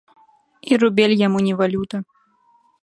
І рубель яму не валюта.